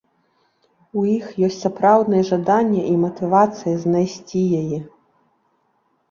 У іх ёсць сапраўднае жаданне і матывацыя знайсці яе.